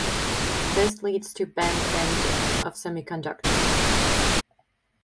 This leads to band bending of semiconductor.